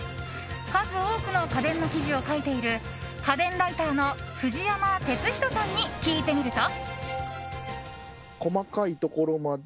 数多くの家電の記事を書いている家電ライターの藤山哲人さんに聞いてみると。